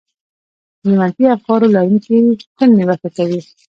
د منفي افکارو لرونکي تل نيوکه کوي.